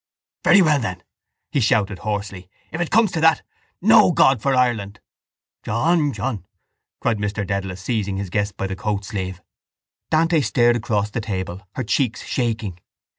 —Very well then, he shouted hoarsely, if it comes to that, no God for Ireland! —John! John! cried Mr Dedalus, seizing his guest by the coat sleeve. Dante stared across the table, her cheeks shaking.